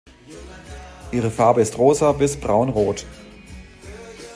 Ihre Farbe ist Rosa bis Braunrot.